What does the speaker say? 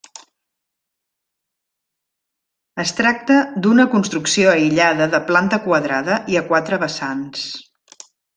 Es tracta d'una construcció aïllada, de planta quadrada i a quatre vessants.